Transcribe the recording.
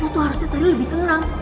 nah lo tuh harusnya tadi lebih tenang